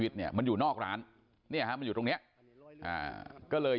ตอนนี้กำลังจะโดดเนี่ยตอนนี้กำลังจะโดดเนี่ย